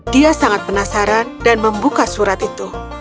dia sangat penasaran dan membuka surat itu